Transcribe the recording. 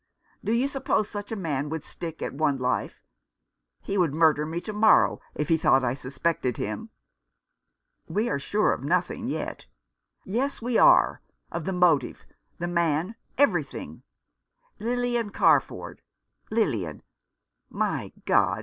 Do you suppose such a man would stick at one life ? He would murder me to morrow if he thought I suspected him." " We are sure of nothing yet." "Yes, we are— of the motive — the man — every thing. Lilian Carford — Lilian My God